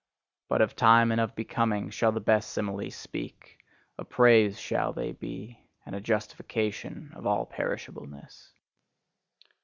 But of time and of becoming shall the best similes speak: a praise shall they be, and a justification of all perishableness!